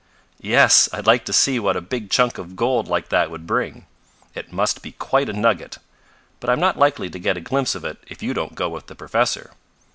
"Yes, I'd like to see what a big chunk of gold like that would bring. It must be quite a nugget. But I'm not likely to get a glimpse of it if you don't go with the professor."